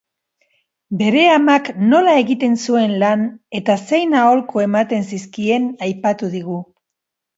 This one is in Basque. Bere amak nola egiten zuen lan eta zein aholku ematen zizkien aipatu digu.